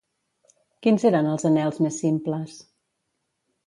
Quins eren els anhels més simples?